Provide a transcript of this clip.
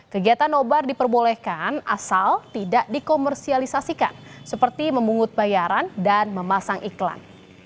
kegiatan nobar diperbolehkan asal tidak dikomersialisasikan seperti memungut bayaran dan memasang iklan